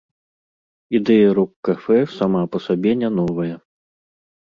Ідэя рок-кафэ сама па сабе не новая.